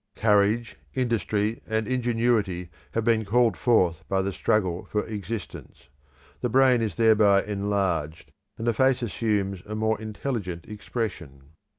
Courage, industry, and ingenuity have been called forth by the struggle for existence; the brain is thereby enlarged, and the face assumes a more intelligent expression.